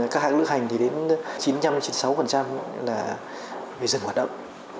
các hãng lựa hành thì đến chín mươi năm chín mươi sáu là phải dừng hoạt động